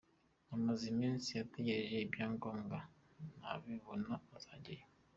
Amaze iminsi ategereje ibyangombwa, nabibona azajyayo.